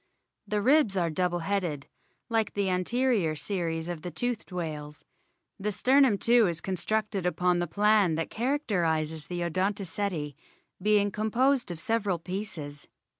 The ribs are double headed, like the anterior series of the toothed whales. The sternum too is con structed upon the plan that characterises the Odonto ceti, being composed of several pieces.